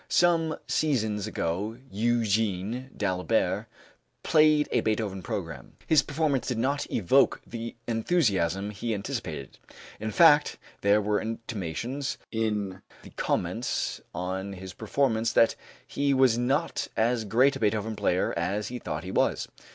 Some seasons ago Eugène d'Albert played a Beethoven program. His performance did not evoke the enthusiasm he anticipated. In fact there were intimations in the comments on his performance that he was not as great a Beethoven player as he thought he was.